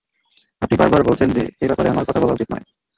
আপনি বারবার বলছেন যে এব্যাপারে আমার কথা বলা উচিত নয়।